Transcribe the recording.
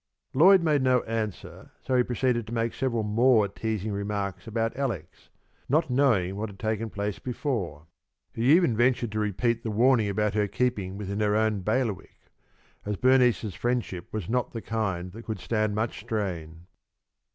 Lloyd made no answer, so he proceeded to make several more teasing remarks about Alex, not knowing what had taken place before. He even ventured to repeat the warning about her keeping within her own bailiwick, as Bernice's friendship was not the kind that could stand much strain.